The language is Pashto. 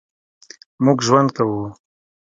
مونږ ژوند کوو